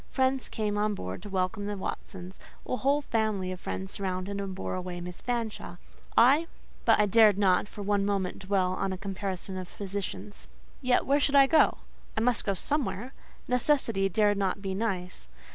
Friends came on board to welcome the Watsons; a whole family of friends surrounded and bore away Miss Fanshawe; I—but I dared not for one moment dwell on a comparison of positions. Yet where should I go? I must go somewhere. Necessity dare not be nice.